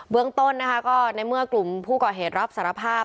เรื่องต้นนะคะก็ในเมื่อกลุ่มผู้ก่อเหตุรับสารภาพ